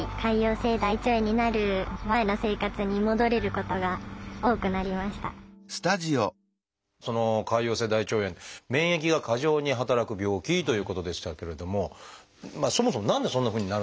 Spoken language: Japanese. ２つの薬で治療した結果は潰瘍性大腸炎免疫が過剰に働く病気ということでしたけれどもそもそも何でそんなふうになるのかってことなんですが。